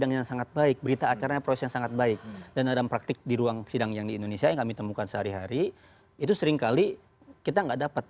yang kami temukan sehari hari itu seringkali kita nggak dapat